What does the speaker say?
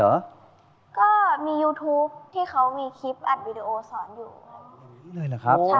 ก็มียูทูปที่เขามีคลิปอัดวิดีโอสอนอยู่